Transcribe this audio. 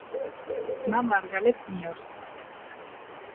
მა მარგალეფ მიორს